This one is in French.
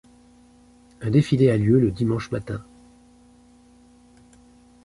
Un défilé a lieu le dimanche matin.